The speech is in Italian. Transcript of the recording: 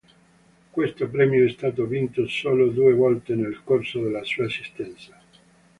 Questo premio è stato vinto solo due volte nel corso della sua esistenza.